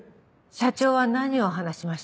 社長は何を話しました？